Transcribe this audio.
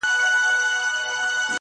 لا د نمرودي زمانې لمبې د اور پاته دي-